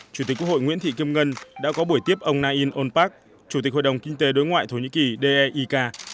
chủ tịch quốc hội nguyễn thị kim ngân đã có buổi tiếp ông nain onpak chủ tịch hội đồng kinh tế đối ngoại thổ nhĩ kỳ deik